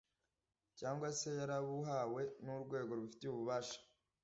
cyangwa se yarabuhawe n’urwego rubifitiye ububasha